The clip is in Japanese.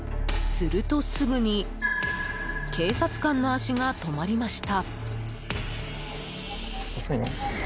するとすぐに警察官の足が止まりました。